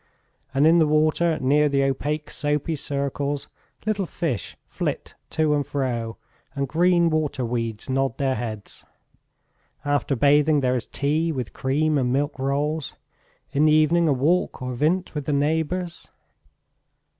And in the water, near the opaque soapy circles, little fish flit to and fro and green water weeds nod their heads. After bathing there is tea with cream and milk rolls.... In the evening a walk or vint with the neighbours.